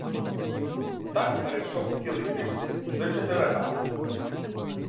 Так перейшов цілий тиждень до четверга.